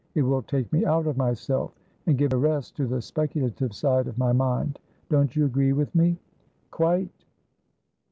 It will take me out of myself, and give a rest to the speculative side of my mind. Don't you agree with me?" "Quite."